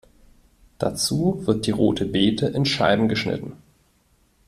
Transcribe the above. Dazu wird die Rote Bete in Scheiben geschnitten.